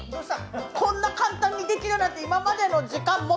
こんな簡単にできるなんて、今までの時間よっ！